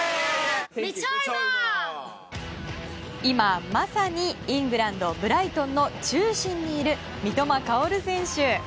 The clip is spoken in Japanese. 今まさにイングランド・ブライトンの中心にいる三笘薫選手。